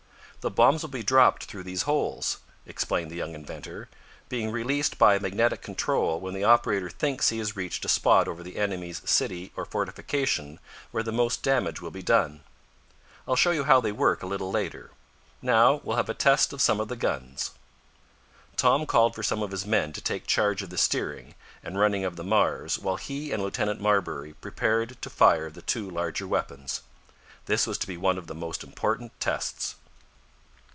"The bombs will be dropped through those holes," explained the young inventor, "being released by a magnetic control when the operator thinks he has reached a spot over the enemy's city or fortification where the most damage will be done. I'll show you how they work a little later. Now we'll have a test of some of the guns." Tom called for some of his men to take charge of the steering and running of the Mars while he and Lieutenant Marbury prepared to fire the two larger weapons. This was to be one of the most important tests.